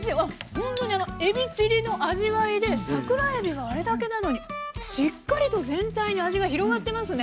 ほんとにあのえびチリの味わいで桜えびがあれだけなのにしっかりと全体に味が広がってますね。